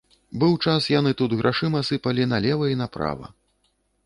Быў час яны тут грашыма сыпалі налева і направа.